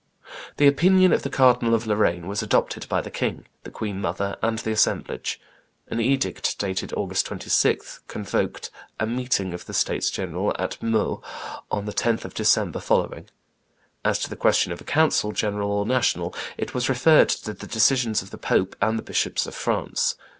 The opinion of the Cardinal of Lorraine was adopted by the king, the queen mother, and the assemblage. An edict dated August 26 convoked a meeting of the states general at Meaux on the 10th of December following. As to the question of a council, general or national, it was referred to the decision of the pope and the bishops of France.